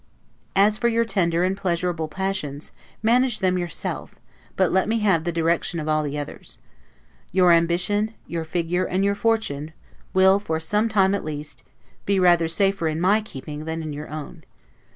As for your tender and pleasurable passions, manage them yourself; but let me have the direction of all the others. Your ambition, your figure, and your fortune, will, for some time at least, be rather safer in my keeping than in your own.